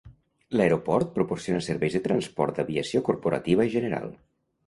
L'aeroport proporciona serveis de transport d'aviació corporativa i general.